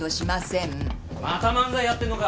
また漫才やってるのか？